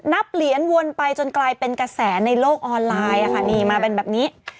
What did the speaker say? เหรียญวนไปจนกลายเป็นกระแสในโลกออนไลน์นี่มาเป็นแบบนี้